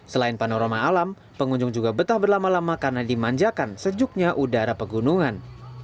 selain panorama alam pengunjung juga betah berlama lama karena dimanjakan sejuknya udara pegunungan